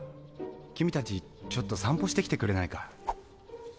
君たちちょっと散歩して来てくれないか？